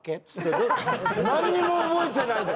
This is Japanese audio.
なんにも覚えてないの。